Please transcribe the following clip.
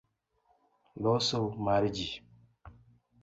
Loso mar ji.